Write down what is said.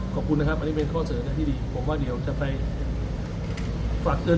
ขอบคุณนะครับอันนี้เป็นข้อเสนอที่ดีผมว่าเดี๋ยวจะไปฝากเตือน